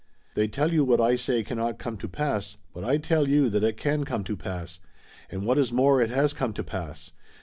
They tell you what I say cannot come to pass, but I tell you that it can come to pass, and what is more it has come to pass.